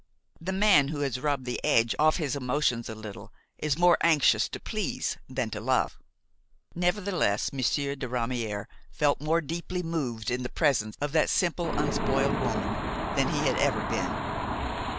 The man who has rubbed the edge off his emotions a little is more anxious to please than to love. Nevertheless Monsieur de Ramière felt more deeply moved in the presence of that simple, unspoiled woman than he had ever been.